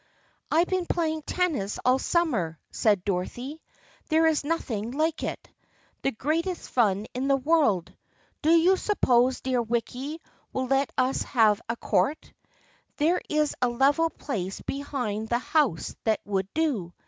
" I've been playing tennis all summer," said Dorothy. " There is nothing like it. The great est fun in the world. Do you suppose dear Wicky will let us have a court ? There is a level place behind the house that would do.